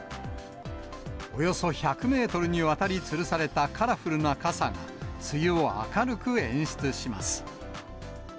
およそ１００メートルにわたりつるされたカラフルな傘が、梅雨を明るく演出します。